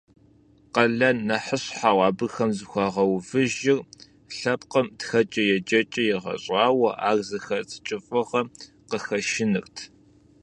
Къалэн нэхъыщхьэу абыхэм зыхуагъэувыжыр лъэпкъым тхэкӏэ, еджэкӏэ егъэщӏауэ ар зыхэт кӏыфӏыгъэм къыхэшынырт.